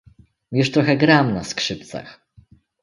"Już trochę gram na skrzypcach."